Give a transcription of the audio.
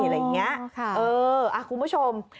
อะไรอย่างเนี้ยเอออ่าคุณผู้ชม